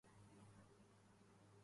زوال آدم خاکی زیاں تیرا ہے یا میرا